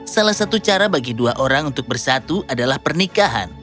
salah satu cara bagi dua orang untuk bersatu adalah pernikahan